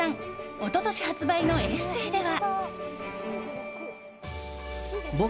一昨年発売のエッセーでは。